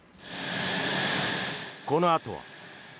このあとは。